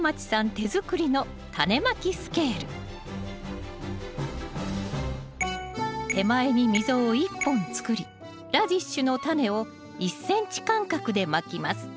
手作りの手前に溝を１本作りラディッシュのタネを１ｃｍ間隔でまきます